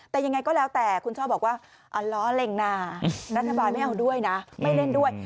แต่ยังไงก็แล้วแต่คุณชอบบอกว่าล้อเล็งนารัฐบาลไม่เอาด้วยนะไม่เล่นด้วย